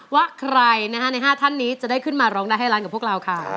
ว่าใครนะฮะใน๕ท่านนี้จะได้ขึ้นมาร้องได้ให้ร้านกับพวกเราค่ะ